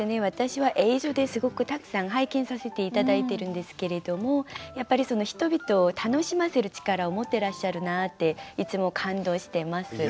私は映像ですごくたくさん拝見させて頂いてるんですけれどもやっぱり人々を楽しませる力を持ってらっしゃるなあっていつも感動してます。